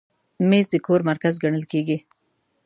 مېز د کور مرکز ګڼل کېږي.